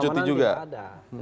ikut cuti juga